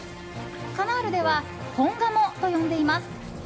カナールでは本鴨と呼んでいます。